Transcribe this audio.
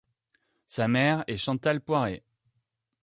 Sa mère est Chantal Poiret.